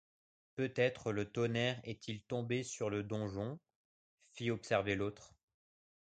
Peut-être le tonnerre est-il tombé sur le donjon?... fit observer l’autre.